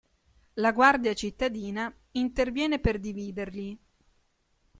La guardia cittadina interviene per dividerli.